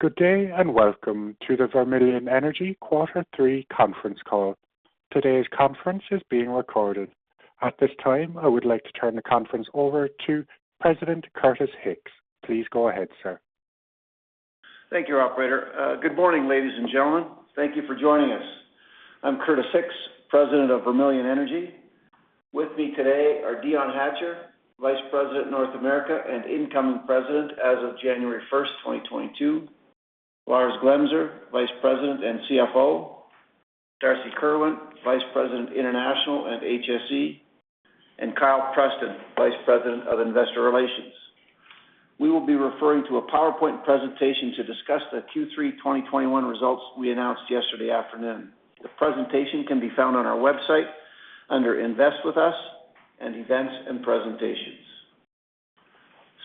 Good day, and welcome to the Vermilion Energy quarter three conference call. Today's conference is being recorded. At this time, I would like to turn the conference over to President Curtis Hicks. Please go ahead, sir. Thank you, operator. Good morning, ladies and gentlemen. Thank you for joining us. I'm Curtis Hicks, President of Vermilion Energy. With me today are Dion Hatcher, Vice President, North America, and incoming President as of January 1, 2022. Lars Glemser, Vice President and CFO. Darcy Kerwin, Vice President, International and HSE, and Kyle Preston, Vice President of Investor Relations. We will be referring to a PowerPoint presentation to discuss the Q3 2021 results we announced yesterday afternoon. The presentation can be found on our website under Invest With Us and Events and Presentations.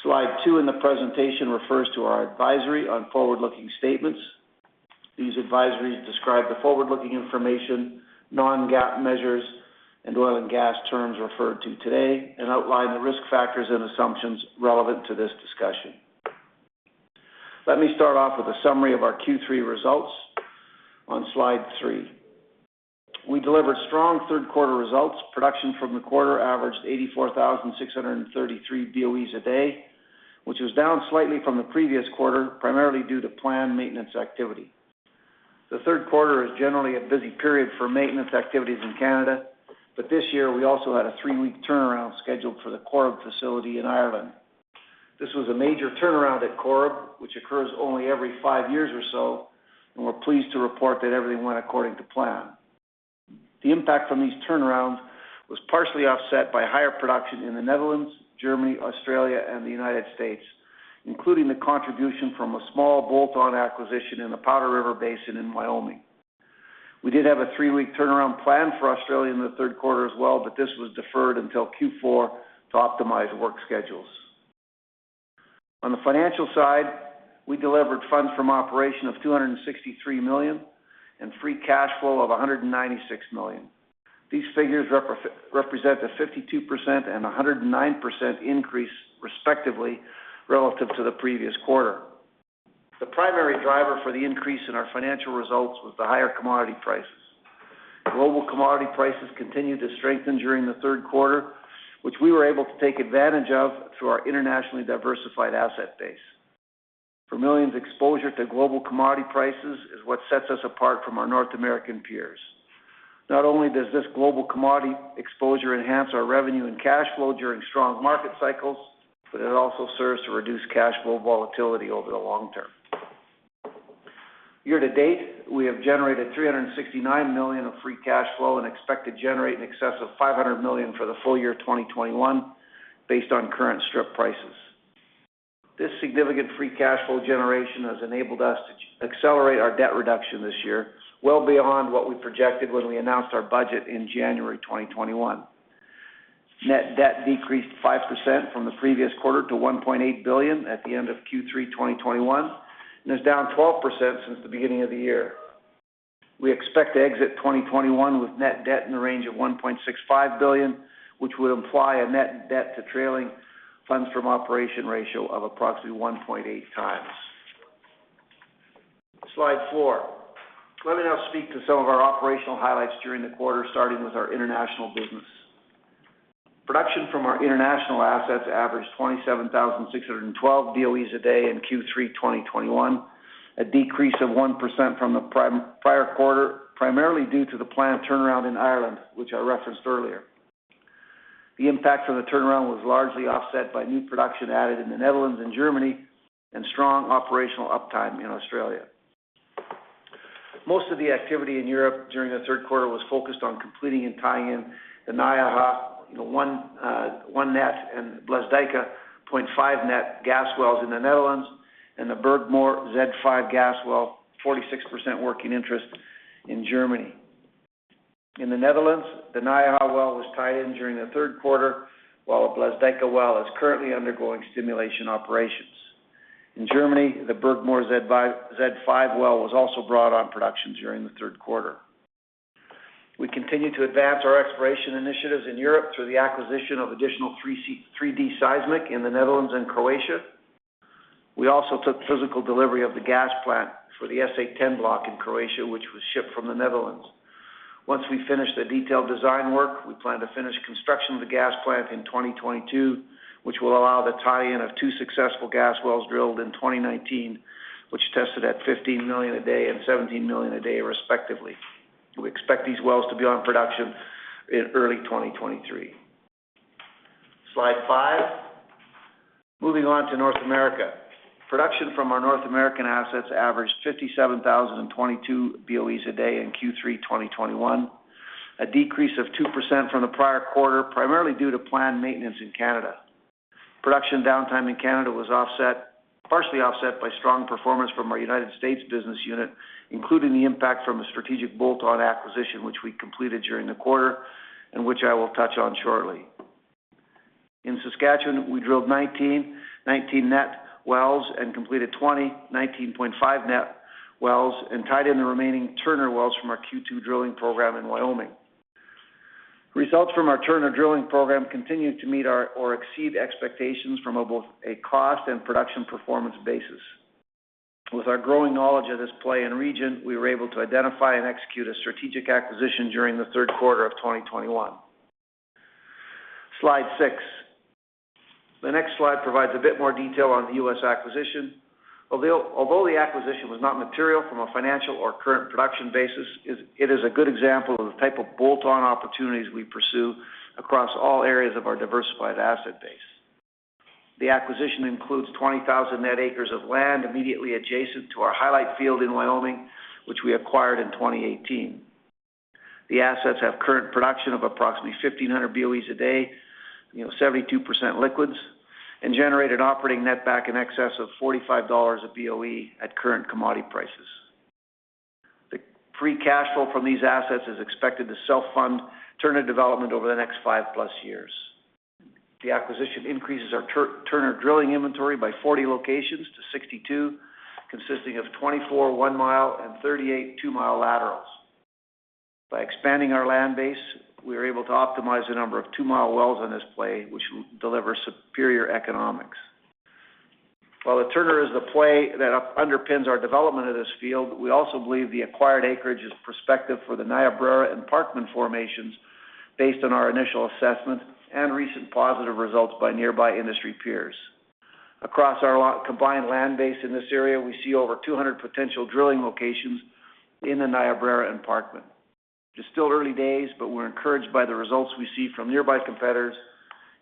Slide two in the presentation refers to our advisory on forward-looking statements. These advisories describe the forward-looking information, non-GAAP measures, and oil and gas terms referred to today and outline the risk factors and assumptions relevant to this discussion. Let me start off with a summary of our Q3 results on slide three. We delivered strong third-quarter results. Production from the quarter averaged 84,633 BOEs a day, which was down slightly from the previous quarter, primarily due to planned maintenance activity. The third quarter is generally a busy period for maintenance activities in Canada, but this year we also had a three-week turnaround scheduled for the Corrib facility in Ireland. This was a major turnaround at Corrib, which occurs only every five years or so, and we're pleased to report that everything went according to plan. The impact from these turnarounds was partially offset by higher production in the Netherlands, Germany, Australia, and the United States, including the contribution from a small bolt-on acquisition in the Powder River Basin in Wyoming. We did have a three-week turnaround plan for Australia in the third quarter as well, but this was deferred until Q4 to optimize work schedules. On the financial side, we delivered funds from operations of 263 million and free cash flow of 196 million. These figures represent a 52% and a 109% increase, respectively, relative to the previous quarter. The primary driver for the increase in our financial results was the higher commodity prices. Global commodity prices continued to strengthen during the third quarter, which we were able to take advantage of through our internationally diversified asset base. Vermilion's exposure to global commodity prices is what sets us apart from our North American peers. Not only does this global commodity exposure enhance our revenue and cash flow during strong market cycles, but it also serves to reduce cash flow volatility over the long term. Year to date, we have generated 369 million of free cash flow and expect to generate in excess of 500 million for the full year 2021 based on current strip prices. This significant free cash flow generation has enabled us to accelerate our debt reduction this year well beyond what we projected when we announced our budget in January 2021. Net debt decreased 5% from the previous quarter to 1.8 billion at the end of Q3 2021, and is down 12% since the beginning of the year. We expect to exit 2021 with net debt in the range of 1.65 billion, which would imply a net debt to trailing funds from operation ratio of approximately 1.8 times. Slide four. Let me now speak to some of our operational highlights during the quarter, starting with our international business. Production from our international assets averaged 27,612 BOEs a day in Q3 2021, a decrease of 1% from the prior quarter, primarily due to the planned turnaround in Ireland, which I referenced earlier. The impact from the turnaround was largely offset by new production added in the Netherlands and Germany and strong operational uptime in Australia. Most of the activity in Europe during the third quarter was focused on completing and tying in the Nijega 1 net and Blesdijke 0.5 net gas wells in the Netherlands and the Burgmoor Z5 gas well, 46% working interest in Germany. In the Netherlands, the Nijega well was tied in during the third quarter, while a Blesdijke well is currently undergoing stimulation operations. In Germany, the Burgmoor Z5 well was also brought on production during the third quarter. We continued to advance our exploration initiatives in Europe through the acquisition of additional 3D seismic in the Netherlands and Croatia. We also took physical delivery of the gas plant for the SA-10, block in Croatia, which was shipped from the Netherlands. Once we finish the detailed design work, we plan to finish construction of the gas plant in 2022, which will allow the tie-in of two successful gas wells drilled in 2019, which tested at 15 million a day and 17 million a day, respectively. We expect these wells to be on production in early 2023. Slide five. Moving on to North America. Production from our North American assets averaged 57,022 BOE a day in Q3 2021, a decrease of 2% from the prior quarter, primarily due to planned maintenance in Canada. Production downtime in Canada was partially offset by strong performance from our U.S. business unit, including the impact from a strategic bolt-on acquisition, which we completed during the quarter and which I will touch on shortly. In Saskatchewan, we drilled 19 net wells and completed 19.5 net wells and tied in the remaining Turner wells from our Q2 drilling program in Wyoming. Results from our Turner drilling program continued to meet or exceed expectations from both a cost and production performance basis. With our growing knowledge of this play and region, we were able to identify and execute a strategic acquisition during the third quarter of 2021. Slide six. The next slide provides a bit more detail on the U.S. acquisition. Although the acquisition was not material from a financial or current production basis, it is a good example of the type of bolt-on opportunities we pursue across all areas of our diversified asset base. The acquisition includes 20,000 net acres of land immediately adjacent to our Hilight field in Wyoming, which we acquired in 2018. The assets have current production of approximately 1,500 BOEs a day, you know, 72% liquids, and generated operating netback in excess of $45 a BOE at current commodity prices. The free cash flow from these assets is expected to self-fund Turner development over the next five plus years. The acquisition increases our Turner drilling inventory by 40 locations to 62, consisting of 24 one-mile and 38 two-mile laterals. By expanding our land base, we are able to optimize the number of two-mile wells in this play, which will deliver superior economics. While the Turner is the play that underpins our development of this field, we also believe the acquired acreage is prospective for the Niobrara and Parkman Formations based on our initial assessment and recent positive results by nearby industry peers. Across our combined land base in this area, we see over 200 potential drilling locations in the Niobrara and Parkman. It's still early days, but we're encouraged by the results we see from nearby competitors,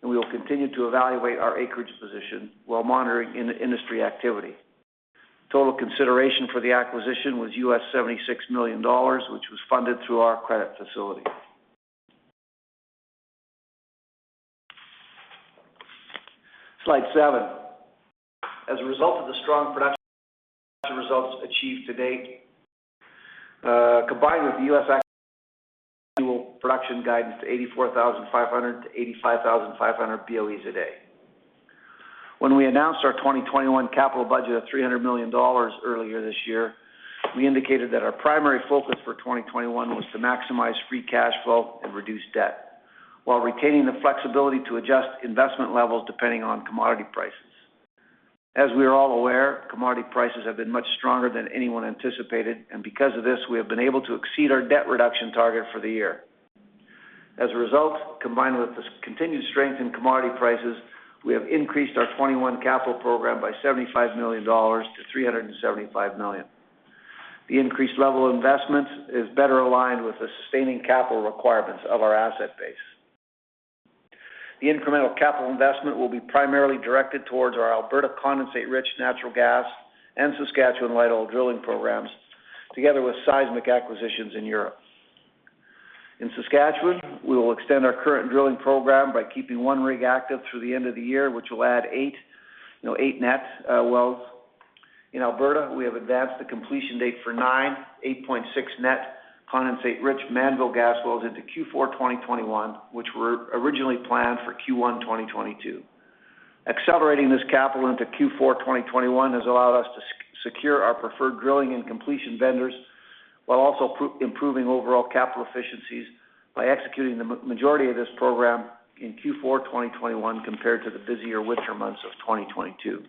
and we will continue to evaluate our acreage position while monitoring in-industry activity. Total consideration for the acquisition was $76 million, which was funded through our credit facility. Slide seven. As a result of the strong production results achieved to date, combined with the U.S. annual production guidance to 84,500-85,500 BOEs a day. When we announced our 2021 capital budget of 300 million dollars earlier this year, we indicated that our primary focus for 2021 was to maximize free cash flow and reduce debt while retaining the flexibility to adjust investment levels depending on commodity prices. As we are all aware, commodity prices have been much stronger than anyone anticipated, and because of this, we have been able to exceed our debt reduction target for the year. As a result, combined with this continued strength in commodity prices, we have increased our 2021 capital program by 75 million dollars to 375 million. The increased level of investment is better aligned with the sustaining capital requirements of our asset base. The incremental capital investment will be primarily directed towards our Alberta condensate-rich natural gas and Saskatchewan light oil drilling programs, together with seismic acquisitions in Europe. In Saskatchewan, we will extend our current drilling program by keeping one rig active through the end of the year, which will add eight net wells. In Alberta, we have advanced the completion date for 8.6 net condensate rich Mannville gas wells into Q4 2021, which were originally planned for Q1 2022. Accelerating this capital into Q4 2021 has allowed us to secure our preferred drilling and completion vendors while also improving overall capital efficiencies by executing the majority of this program in Q4 2021 compared to the busier winter months of 2022.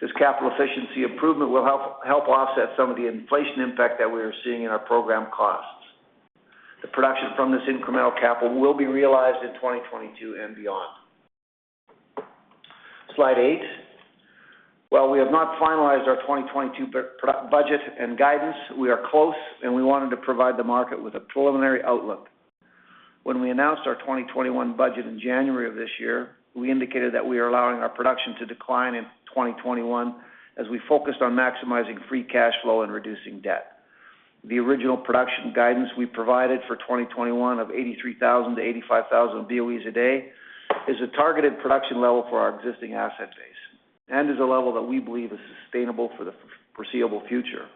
This capital efficiency improvement will help offset some of the inflation impact that we are seeing in our program costs. The production from this incremental capital will be realized in 2022 and beyond. Slide eight. While we have not finalized our 2022 budget and guidance, we are close, and we wanted to provide the market with a preliminary outlook. When we announced our 2021 budget in January of this year, we indicated that we are allowing our production to decline in 2021 as we focused on maximizing free cash flow and reducing debt. The original production guidance we provided for 2021 of 83,000-85,000 BOEs a day is a targeted production level for our existing asset base and is a level that we believe is sustainable for the foreseeable future.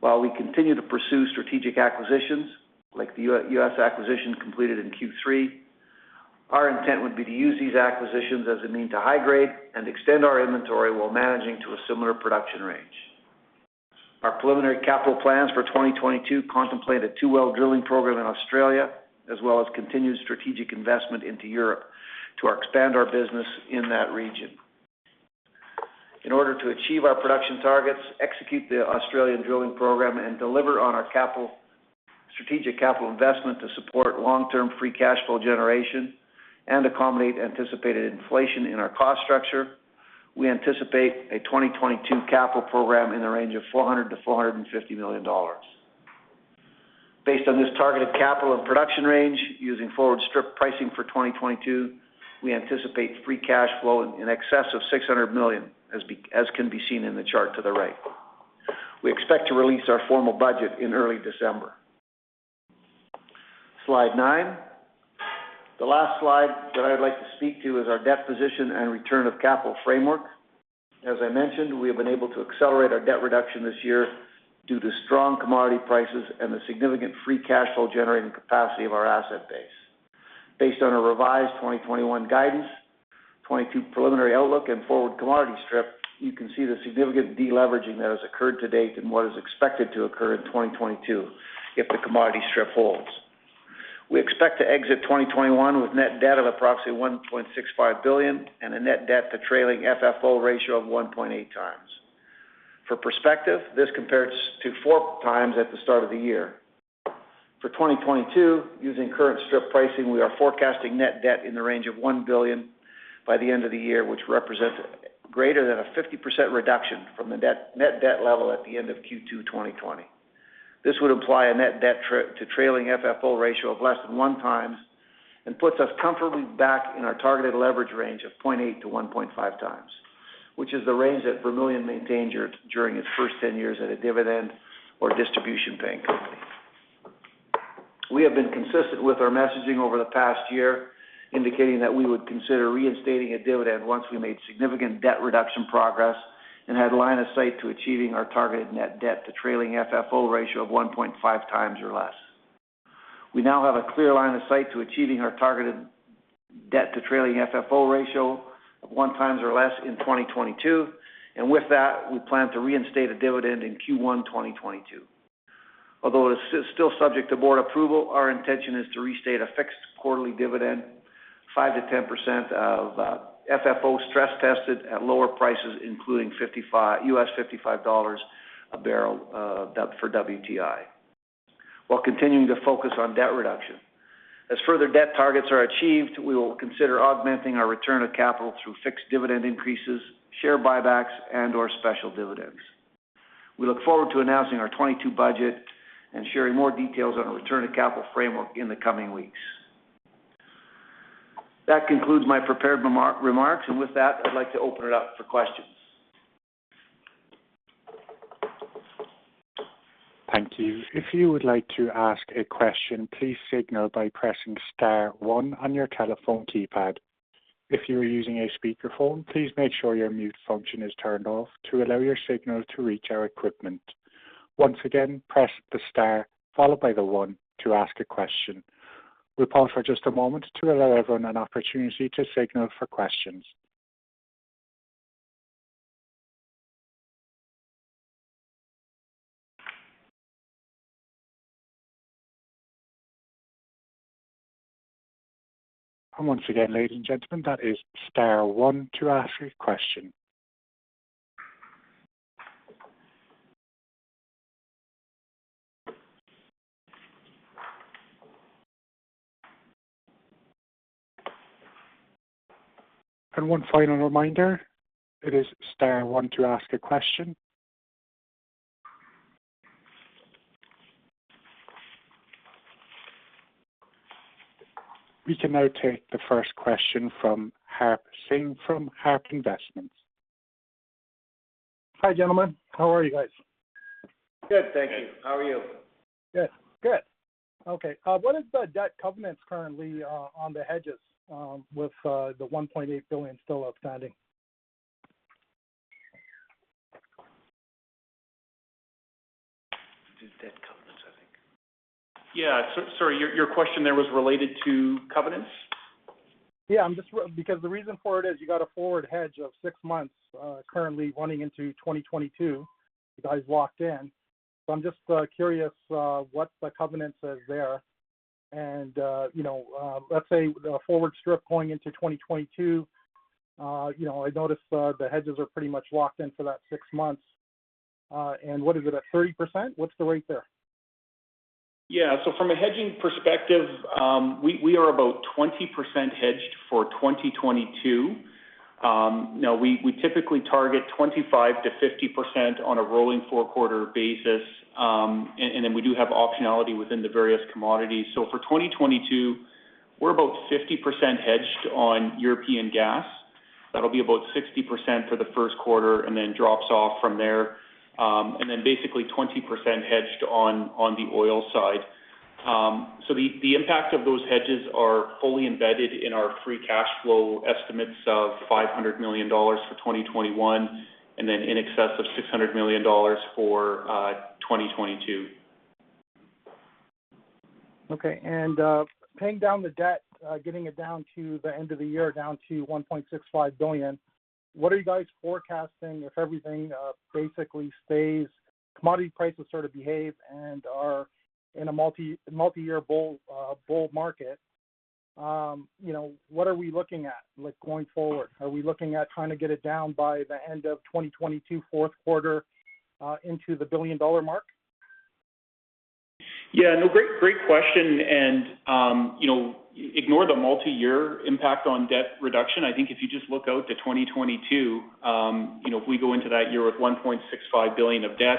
While we continue to pursue strategic acquisitions, like the U.S. acquisition completed in Q3, our intent would be to use these acquisitions as a means to high grade and extend our inventory while managing to a similar production range. Our preliminary capital plans for 2022 contemplate a two-well drilling program in Australia, as well as continued strategic investment into Europe to expand our business in that region. In order to achieve our production targets, execute the Australian drilling program, and deliver on our strategic capital investment to support long-term free cash flow generation and accommodate anticipated inflation in our cost structure, we anticipate a 2022 capital program in the range of 400 million-450 million dollars. Based on this targeted capital and production range, using forward strip pricing for 2022, we anticipate free cash flow in excess of 600 million, as can be seen in the chart to the right. We expect to release our formal budget in early December. Slide 9. The last slide that I'd like to speak to is our debt position and return of capital framework. As I mentioned, we have been able to accelerate our debt reduction this year due to strong commodity prices and the significant free cash flow generating capacity of our asset base. Based on a revised 2021 guidance, 2022 preliminary outlook and forward commodity strip, you can see the significant deleveraging that has occurred to date and what is expected to occur in 2022 if the commodity strip holds. We expect to exit 2021 with net debt of approximately 1.65 billion and a net debt to trailing FFO ratio of 1.8x. For perspective, this compares to 4x at the start of the year. For 2022, using current strip pricing, we are forecasting net debt in the range of 1 billion by the end of the year, which represents greater than a 50% reduction from the net debt level at the end of Q2 2020. This would imply a net debt to trailing FFO ratio of less than 1x and puts us comfortably back in our targeted leverage range of 0.8x-1.5x, which is the range that Vermilion maintained during its first 10 years as a dividend or distribution paying company. We have been consistent with our messaging over the past year, indicating that we would consider reinstating a dividend once we made significant debt reduction progress and had line of sight to achieving our targeted net debt to trailing FFO ratio of 1.5 times or less. We now have a clear line of sight to achieving our targeted debt to trailing FFO ratio of 1 times or less in 2022. With that, we plan to reinstate a dividend in Q1 2022. Although it's still subject to board approval, our intention is to restate a fixed quarterly dividend, 5%-10% of FFO stress tested at lower prices, including $55 a barrel for WTI, while continuing to focus on debt reduction. As further debt targets are achieved, we will consider augmenting our return of capital through fixed dividend increases, share buybacks, and/or special dividends. We look forward to announcing our 2022 budget and sharing more details on a return of capital framework in the coming weeks. That concludes my prepared remarks. With that, I'd like to open it up for questions. Thank you. If you would like to ask a question, please signal by pressing star one on your telephone keypad. If you are using a speakerphone, please make sure your mute function is turned off to allow your signal to reach our equipment. Once again, press the star followed by the one to ask a question. We'll pause for just a moment to allow everyone an opportunity to signal for questions. Once again, ladies and gentlemen, that is star one to ask a question. One final reminder, it is star one to ask a question. We can now take the first question from Harp Singh from Harp Investments. Hi, gentlemen. How are you guys? Good, thank you. How are you? Okay, what is the debt covenants currently on the hedges with the 1.8 billion still outstanding? It is debt covenants, I think. Yeah. Sorry, your question there was related to covenants? Because the reason for it is you got a forward hedge of six months, currently running into 2022, you guys walked in. I'm just curious what the covenants is there. You know, let's say the forward strip going into 2022, you know, I noticed the hedges are pretty much locked in for that six months. And what is it at 30%? What's the rate there? Yeah. From a hedging perspective, we are about 20% hedged for 2022. You know, we typically target 25%-50% on a rolling fourth quarter basis. And then we do have optionality within the various commodities. For 2022, we are about 50% hedged on European gas. That will be about 60% for the first quarter and then drops off from there. And then basically 20% hedged on the oil side. So the impact of those hedges is fully embedded in our free cash flow estimates of 500 million dollars for 2021, and then in excess of 600 million dollars for 2022. Okay. Paying down the debt, getting it down to the end of the year, down to 1.65 billion, what are you guys forecasting if everything basically stays, commodity prices sort of behave and are in a multi-year bull market? You know, what are we looking at, like going forward? Are we looking at trying to get it down by the end of 2022, fourth quarter, into the billion-dollar mark? Yeah. No, great question. You know, ignore the multi-year impact on debt reduction. I think if you just look out to 2022, you know, if we go into that year with 1.65 billion of debt,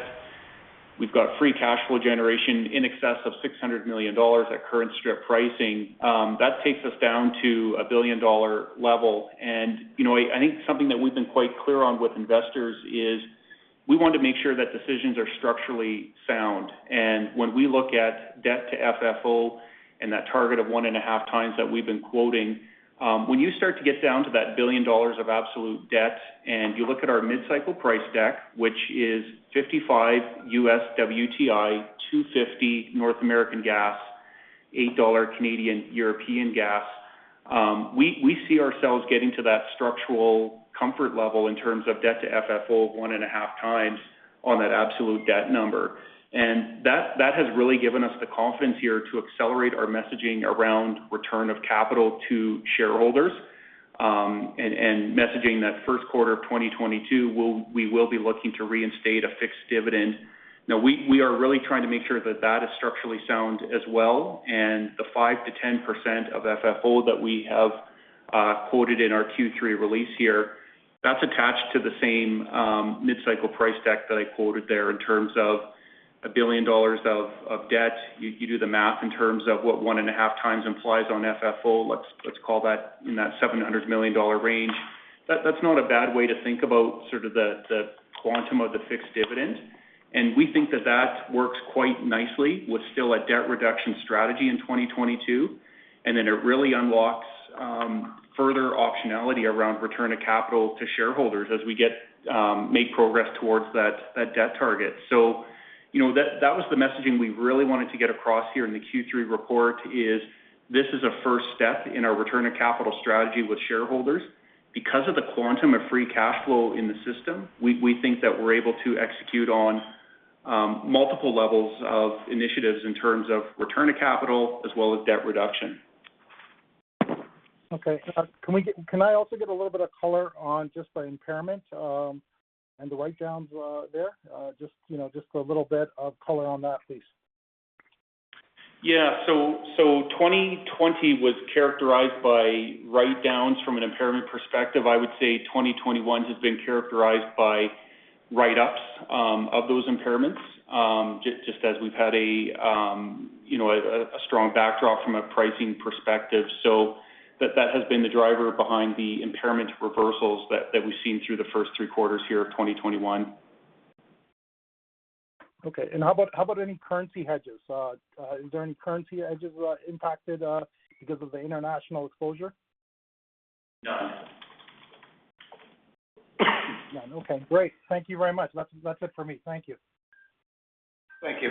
we've got free cash flow generation in excess of 600 million dollars at current strip pricing. That takes us down to a billion-dollar level. You know, I think something that we've been quite clear on with investors is we want to make sure that decisions are structurally sound. When we look at debt to FFO and that target of 1.5 times that we've been quoting, when you start to get down to that $1 billion of absolute debt, and you look at our mid-cycle price deck, which is $55 WTI, $2.50 North American Gas, 8 Canadian dollars European gas. We see ourselves getting to that structural comfort level in terms of debt to FFO of 1.5 times on that absolute debt number. That has really given us the confidence here to accelerate our messaging around return of capital to shareholders, and messaging that first quarter of 2022, we will be looking to reinstate a fixed dividend. Now, we are really trying to make sure that is structurally sound as well. The 5%-10% of FFO that we have quoted in our Q3 release here, that's attached to the same mid-cycle price deck that I quoted there in terms of 1 billion dollars of debt. You do the math in terms of what 1.5 times implies on FFO. Let's call that in that 700 million dollar range. That's not a bad way to think about sort of the quantum of the fixed dividend. We think that that works quite nicely with still a debt reduction strategy in 2022, and then it really unlocks further optionality around return of capital to shareholders as we make progress towards that debt target. You know, that was the messaging we really wanted to get across here in the Q3 report. This is a first step in our return of capital strategy with shareholders. Because of the quantum of free cash flow in the system, we think that we're able to execute on multiple levels of initiatives in terms of return of capital as well as debt reduction. Okay. Can I also get a little bit of color on just the impairment and the write-downs there? Just, you know, just a little bit of color on that, please. Yeah. 2020 was characterized by write-downs from an impairment perspective. I would say 2021 has been characterized by write-ups of those impairments, just as we've had, you know, a strong backdrop from a pricing perspective. That has been the driver behind the impairment reversals that we've seen through the first three quarters here of 2021. Okay. How about any currency hedges? Is there any currency hedges impacted because of the international exposure? None. None. Okay, great. Thank you very much. That's it for me. Thank you. Thank you.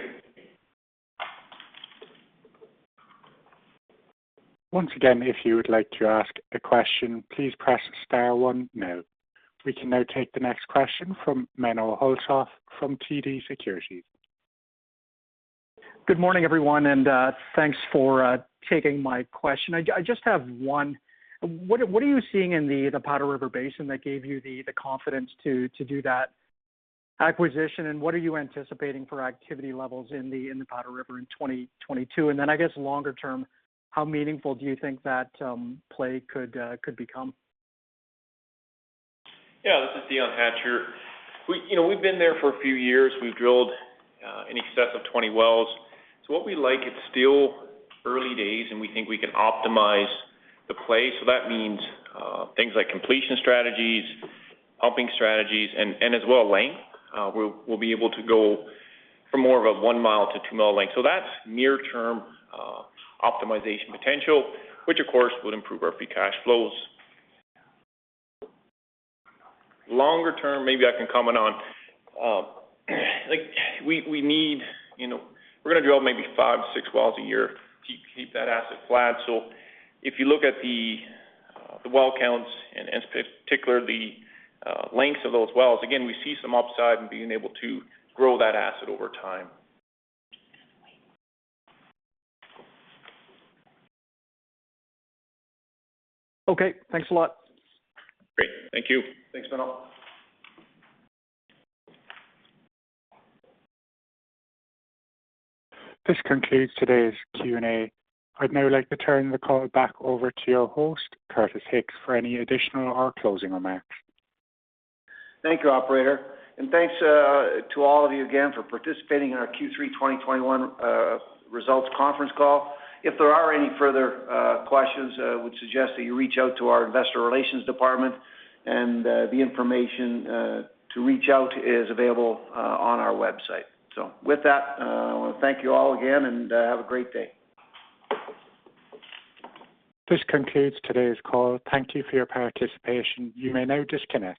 Once again, if you would like to ask a question, please press star one now. We can now take the next question from Menno Hulshof from TD Securities. Good morning, everyone, and thanks for taking my question. I just have one. What are you seeing in the Powder River Basin that gave you the confidence to do that acquisition, and what are you anticipating for activity levels in the Powder River in 2022? Then I guess longer term, how meaningful do you think that play could become? This is Dion Hatcher. We, you know, we've been there for a few years. We've drilled in excess of 20 wells. What we like, it's still early days, and we think we can optimize the play. That means things like completion strategies, pumping strategies, and as well length. We'll be able to go for more of a one-mile to two-mile length. That's near-term optimization potential, which of course will improve our free cash flows. Longer term, maybe I can comment on like we need you know. We're gonna drill maybe five-six wells a year to keep that asset flat. If you look at the well counts and particularly lengths of those wells, again, we see some upside in being able to grow that asset over time. Okay. Thanks a lot. Great. Thank you. Thanks, Menno. This concludes today's Q&A. I'd now like to turn the call back over to your host, Curtis Hicks, for any additional or closing remarks. Thank you, operator. Thanks to all of you again for participating in our Q3 2021 results conference call. If there are any further questions, I would suggest that you reach out to our investor relations department, and the information to reach out is available on our website. With that, I wanna thank you all again, and have a great day. This concludes today's call. Thank you for your participation. You may now disconnect.